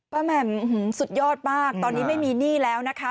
แหม่มสุดยอดมากตอนนี้ไม่มีหนี้แล้วนะคะ